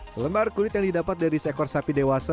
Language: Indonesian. selembar kulit yang didapat dari seekor sapi dewasa